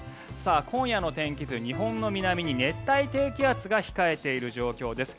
今夜の天気図、日本の南に熱帯低気圧が控えている状況です。